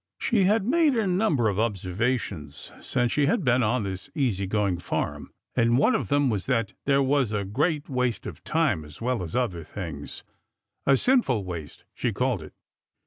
She had made a number of observations since she had been on this easy going farm, and one of them was that there was a great waste of time as well as other things — a sinful waste, she called it.